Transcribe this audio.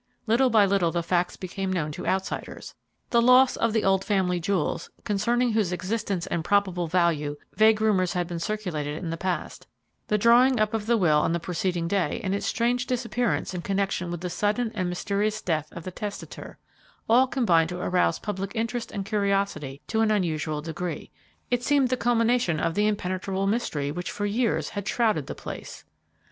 Little by little the facts became known to outsiders, the loss of the old family jewels, concerning whose existence and probable value vague rumors had been circulated in the past, the drawing up of the will on the preceding day and its strange disappearance in connection with the sudden and mysterious death of the testator, all combined to arouse public interest and curiosity to an unusual degree; it seemed the culmination of the impenetrable mystery which for years had shrouded the place.